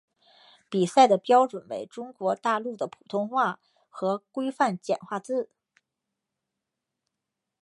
比赛的标准为中国大陆的普通话和规范简化字。